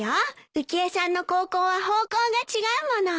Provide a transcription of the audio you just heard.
浮江さんの高校は方向が違うもの。